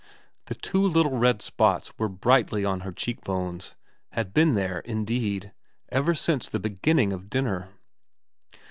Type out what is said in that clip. The two little red spots were brightly on her cheek bones, had been there, indeed, ever since the beginning of dinner.